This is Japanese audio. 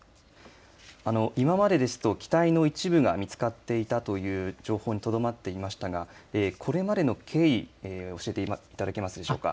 はい、今までですと機体の一部が見つかっていたという情報にとどまっていましたがこれまでの経緯教えていただけますでしょうか。